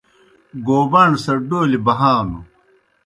گوباݨ سہ ڈولیْ بہانوْ۔